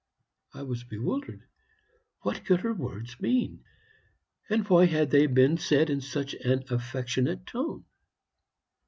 I was bewildered. What could her words mean? And why had they been said in such an affectionate tone?